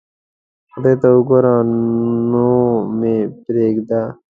خدای ته اوګوره نو مې پریدا